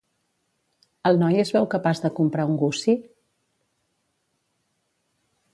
El noi es veu capaç de comprar un gussi?